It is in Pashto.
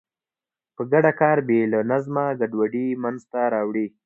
په ګډه کار بې له نظمه ګډوډي منځته راوړي.